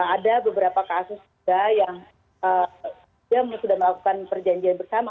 ada beberapa kasus juga yang sudah melakukan perjanjian bersama